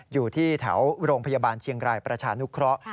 อยู่ที่แถวโรงพยาบาลเชียงรายประชานุเคราะห์